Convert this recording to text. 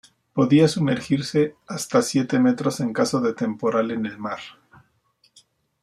Podía sumergirse hasta siete metros en caso de temporal en el mar.